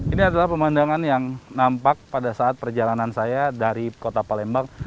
ini adalah pemandangan yang nampak pada saat perjalanan saya dari kota palembang